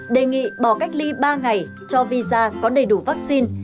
đề nghị bỏ cách ly ba ngày cho visa có đầy đủ vaccine